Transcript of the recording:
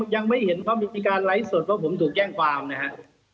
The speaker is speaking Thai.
ยังไม่เห็นว่ามีการไลฟ์ส่วนเพราะผมถูกแจ้งความนะฮะ